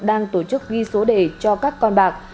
đang tổ chức ghi số đề cho các con bạc